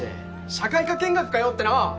社会科見学かよってな！